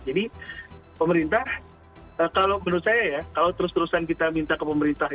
jadi pemerintah menurut saya kalau terus terusan kita minta ke pemerintah